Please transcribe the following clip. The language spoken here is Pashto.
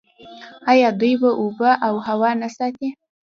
آیا دوی اوبه او هوا نه ساتي؟